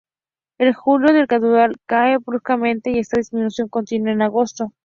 En julio, el caudal cae bruscamente y esta disminución continúa en agosto.